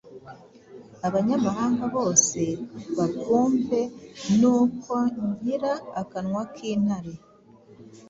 abanyamahanga bose babwumve. Nuko nkira akanwa k’intare.”